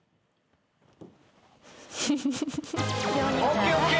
ＯＫＯＫ。